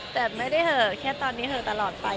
แต่ไม่ได้เหอะแค่ตอนนี้เหอะตลอดไป